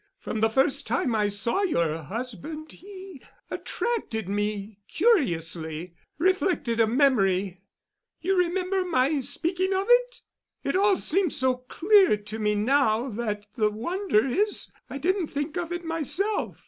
From the first time I saw your husband he attracted me curiously—reflected a memory—you remember my speaking of it? It all seems so clear to me now that the wonder is I didn't think of it myself.